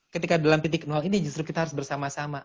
ketika dalam titik nol ini justru kita harus bersama sama